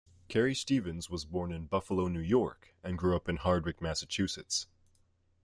Carrie Stevens was born in Buffalo, New York and grew up in Hardwick, Massachusetts.